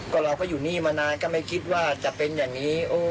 ก็เราก็อยู่นี่มานานก็ไม่คิดว่าจะเป็นอย่างนี้